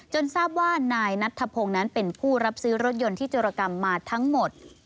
ทราบว่านายนัทธพงศ์นั้นเป็นผู้รับซื้อรถยนต์ที่จุรกรรมมาทั้งหมด